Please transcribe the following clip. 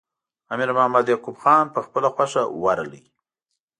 امیر محمد یعقوب خان په خپله خوښه ورغی.